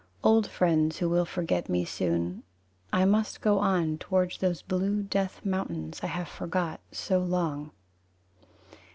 Old friends who will forget me soon I must go on, Towards those blue death mountains I have forgot so long.